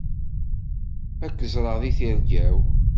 Ad k-ẓreɣ deg tirga-w.